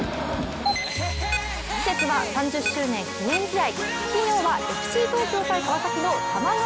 次節は３０周年記念試合。